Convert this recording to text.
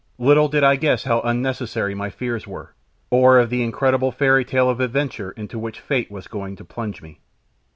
Little did I guess how unnecessary my fears were, or of the incredible fairy tale of adventure into which fate was going to plunge me.